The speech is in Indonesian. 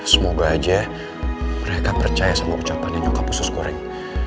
semoga aja mereka percaya sama ucapannya nyokap khusus goreng